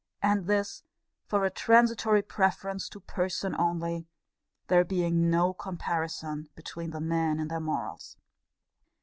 and this for a transitory preference to person only; there being no comparison between the men in their morals.'